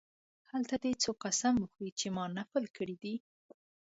هلته دې څوک قسم وخوري چې ما نفل کړی دی.